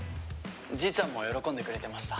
じいちゃんも喜んでくれてました。